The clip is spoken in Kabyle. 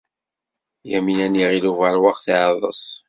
Yamina n Yiɣil Ubeṛwaq teɛḍes.